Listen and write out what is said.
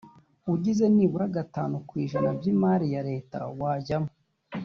ugize nibura gatanu ku ijana by’imari ya leta wajyamo